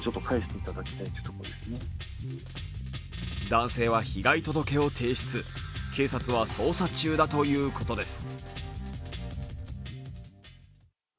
男性は被害届を提出警察は捜査中だということです。